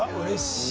うれしい。